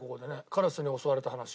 カラスに襲われた話。